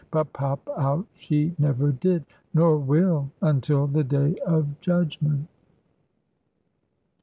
But pop out she never did, nor will, until the day of judgment.